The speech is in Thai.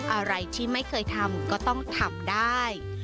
อะไรที่ไม่เคยทำก็ต้องทำได้